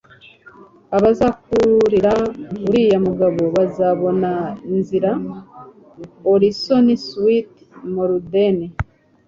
abazakurira uriya mugabo bazabona inzira. - orison swett marden